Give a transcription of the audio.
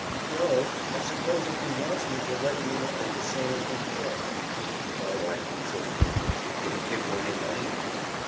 "No, I suppose if he wants me he'll let you know, the same as before." "All right," said McGivney. "Did he give you any money?"